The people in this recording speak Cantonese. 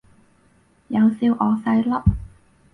又笑我細粒